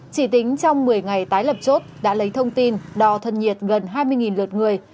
chỉ tính trong một mươi ngày tái lập chốt đã lấy thông tin đò thân nhiệt gần hai mươi lượt người